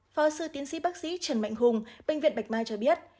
phó sư tiến sĩ bác sĩ trần mạnh hùng bệnh viện bạch mai cho biết